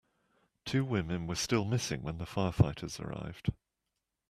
Two women were still missing when the firefighters arrived.